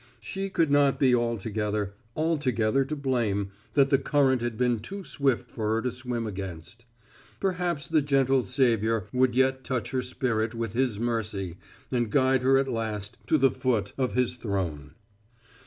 She could not be altogether, altogether to blame that the current had been too swift for her to swim against. Perhaps the gentle Savior would yet touch her spirit with His mercy and guide her at last to the foot of His throne.